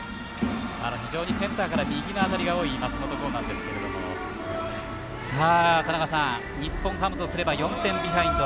非常にセンターから右に当たりが多い松本剛ですが日本ハムとしては４点ビハインド。